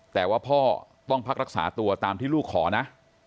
แต่ว่าพ่อต้องพักรักษาตัวตามที่ลูกขอนะ